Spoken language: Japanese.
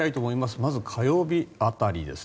まず、火曜日辺りですね。